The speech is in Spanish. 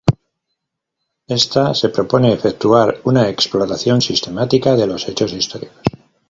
Esta se propone efectuar una exploración sistemática de los hechos históricos.